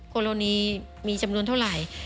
โคโรนีมีจำนวนเท่าไร